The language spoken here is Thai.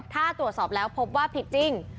ถ้าตรวจสอบแล้วพบว่าผิดจริง